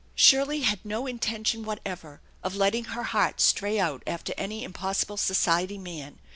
Shirley had no intention whatever of letting her heart stray out after any impossible society man.